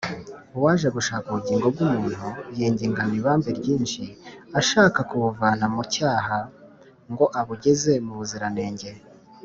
Uwaje gushaka ubugingo bw’umuntu yingingana ibambe ryinshi ashaka kubuvana mu cyaha ngo abugeze mu buziranenge